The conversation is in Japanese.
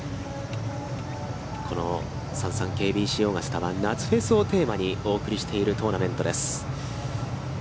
このＳａｎｓａｎＫＢＣオーガスタは夏フェスをテーマにお送りしているトーナメントです。